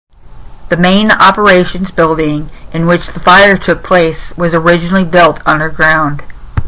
The main operations building, in which the fire took place, was originally built underground.